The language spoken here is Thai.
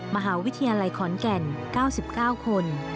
มหาวิทยาลัยขอนแก่น๙๙คน